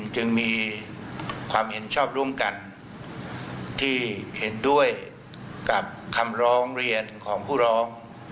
จึงมีความเห็นชอบร่วมกันที่เห็นด้วยกับคำร้องเรียนของผู้ร้อง